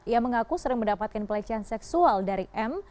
ia mengaku sering mendapatkan pelecehan seksual dari m